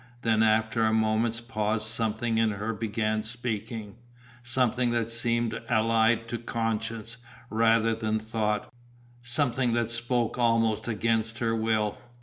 Then after a moment's pause something in her began speaking, something that seemed allied to conscience, rather than thought, something that spoke almost against her will.